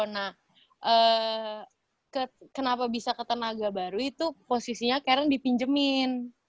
nah kenapa bisa ke tenaga baru itu posisinya karen dipinjemin